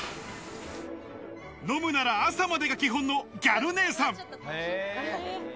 飲むなら朝までが基本のギャル姉さん。